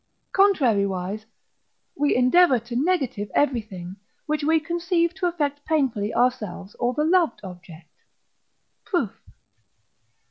Contrariwise, we endeavour to negative everything, which we conceive to affect painfully ourselves or the loved object. Proof.